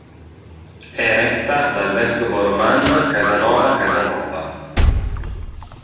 È retta dal vescovo Román Casanova Casanova.